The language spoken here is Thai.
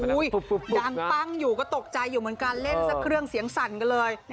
ดังปั้งอยู่ก็ตกใจอยู่เหมือนกันเล่นสักเครื่องเสียงสั่นกันเลย